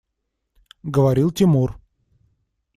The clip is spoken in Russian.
Говорил Тимур.